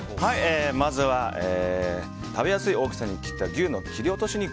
まずは食べやすい大きさに切った牛の切り落とし肉